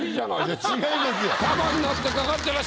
いや違いますよ。